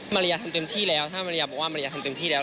มารยาทำเต็มที่แล้วถ้ามาริยาบอกว่ามารยาทำเต็มที่แล้ว